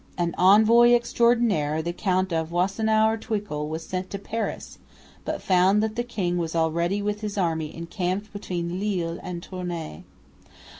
An envoy extraordinary, the Count of Wassenaer Twickel, was sent to Paris, but found that the king was already with his army encamped between Lille and Tournay.